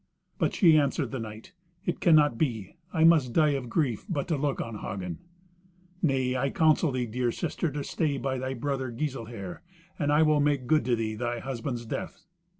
But she answered the knight, "It cannot be; I must die of grief but to look on Hagen." "Nay, I counsel thee, dear sister, to stay by thy brother Giselher; and I will make good to thee thy husband's death."